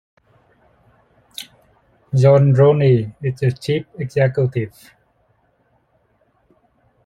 Joanne Roney is the chief executive.